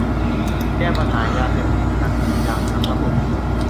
แก้ไขปัญหายาเสพติดอย่างจริงจังทั้งระบบ